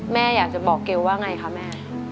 แม่อยากจะบอกเกลวว่าอย่างไรคะแม่